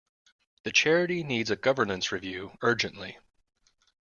The charity needs a governance review urgently